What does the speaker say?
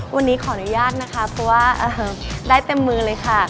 วันนี้ขออนุญาตนะคะเพราะว่าได้เต็มมือเลยค่ะ